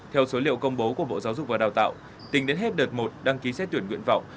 theo số liệu công bố của bộ giáo dục và đào tạo tính đến hết đợt một đăng ký xét tuyển nguyện vọng